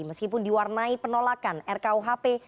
meskipun diwarnai penolakan rkuhp